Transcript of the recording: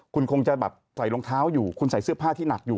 คุณคงจะแบบใส่รองเท้าอยู่คุณใส่เสื้อผ้าที่หนักอยู่